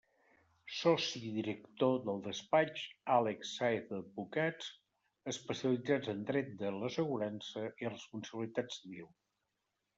Soci- director del despatx Àlex Sáez advocats, especialitzats en Dret de l'assegurança i responsabilitat civil.